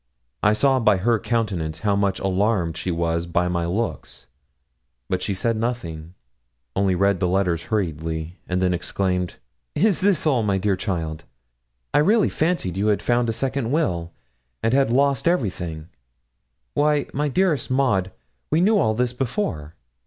I saw by her countenance how much alarmed she was by my looks, but she said nothing, only read the letters hurriedly, and then exclaimed 'Is this all, my dear child? I really fancied you had found a second will, and had lost everything. Why, my dearest Maud, we knew all this before.